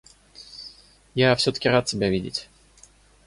Я всё-таки рад тебя видеть.